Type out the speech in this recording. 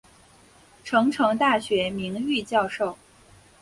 成城大学名誉教授。